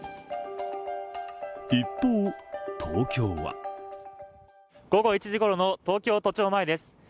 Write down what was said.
一方、東京は午後１時ごろの東京都庁前です。